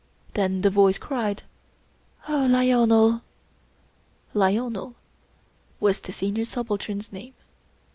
Then the voice cried :" Oh Lionel !" Lionel was the Senior Subaltern's name.